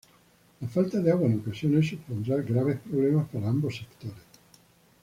La falta de agua en ocasiones supondrá graves problemas para ambos sectores.